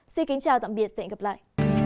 xin kính chào tạm biệt và hẹn gặp lại